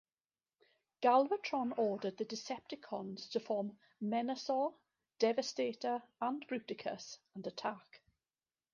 Galvatron ordered the Decepticons to form Menasor, Devastator and Bruticus and attack.